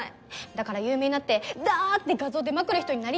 だから有名になってだって画像出まくる人になりたいの。